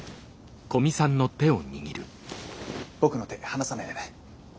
僕の手離さないでね。